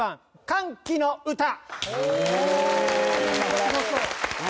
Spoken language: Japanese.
『歓喜の歌』